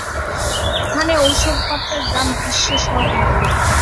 এখানে ঔষুধ-পত্রের দাম বিশ্বে সর্বনিম্ন।